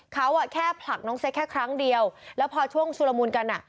เขาอ่ะแค่ผลักน้องเซ็กแค่ครั้งเดียวแล้วพอช่วงชุลมูลกันอ่ะ